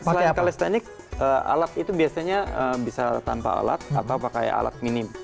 selain kalestenic alat itu biasanya bisa tanpa alat atau pakai alat minim